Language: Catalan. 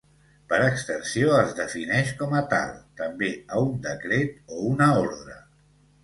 Per extensió es defineix com a tal, també a un decret o una ordre.